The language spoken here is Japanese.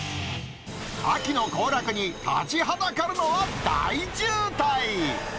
秋の行楽に立ちはだかるのは、大渋滞。